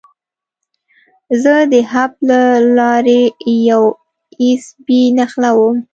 زه د هب له لارې یو ایس بي نښلوم.